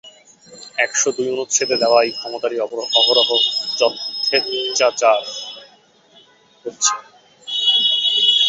এক শ দুই অনুচ্ছেদে দেওয়া এই ক্ষমতারই অহরহ যচ্ছেচার হচ্ছে।